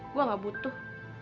gue gak butuh